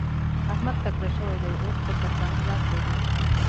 احمد تکړه شوی دی؛ اوس په ترکاڼي لاس وهي.